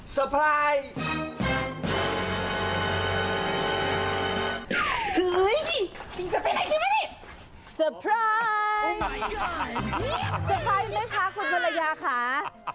สเตอร์พร้ายไหมคะคุณพรรยา